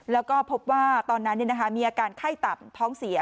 แล้วก็พบว่าตอนนั้นมีอาการไข้ต่ำท้องเสีย